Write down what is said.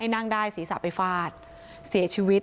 นั่งได้ศีรษะไปฟาดเสียชีวิต